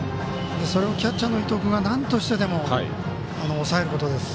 それをキャッチャーの伊藤君がなんとしてでも抑えることです。